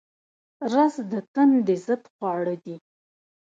رس د تندې ضد خواړه دي